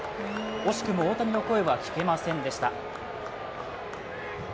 惜しくも大谷の声は聞けませんでした。